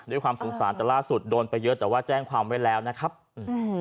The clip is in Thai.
ด้วยความสงสารแต่ล่าสุดโดนไปเยอะแต่ว่าแจ้งความไว้แล้วนะครับอืม